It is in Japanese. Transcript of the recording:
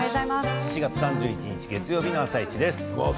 ７月３１日月曜日の「あさイチ」です。